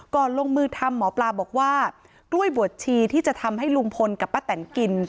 ลงมือทำหมอปลาบอกว่ากล้วยบวชชีที่จะทำให้ลุงพลกับป้าแตนกิน